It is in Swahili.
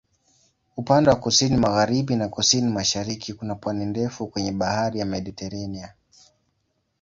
Upande wa kusini-magharibi na kusini-mashariki kuna pwani ndefu kwenye Bahari ya Mediteranea.